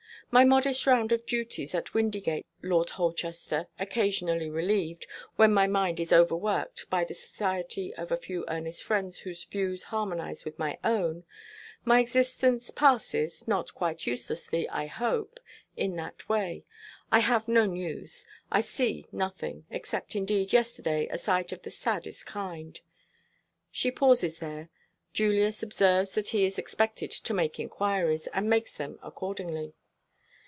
"My modest round of duties at Windygates, Lord Holchester; occasionally relieved, when my mind is overworked, by the society of a few earnest friends whose views harmonize with my own my existence passes (not quite uselessly, I hope) in that way. I have no news; I see nothing except, indeed, yesterday, a sight of the saddest kind." She pauses there. Julius observes that he is expected to make inquiries, and makes them accordingly.